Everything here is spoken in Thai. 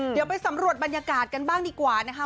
เดี๋ยวไปสำรวจบรรยากาศกันบ้างดีกว่านะคะ